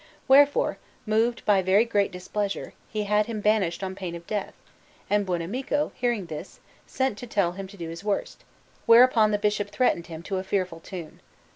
Wherefore, moved by very great displeasure, he had him banished on pain of death, and Buonamico, hearing this, sent to tell him to do his worst; whereupon the Bishop threatened him to a fearful tune.